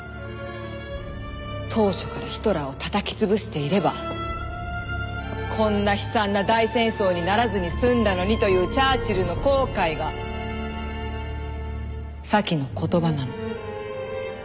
当初からヒトラーを叩き潰していればこんな悲惨な大戦争にならずに済んだのにというチャーチルの後悔が先の言葉なの。